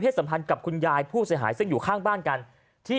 สัมพันธ์กับคุณยายผู้เสียหายซึ่งอยู่ข้างบ้านกันที่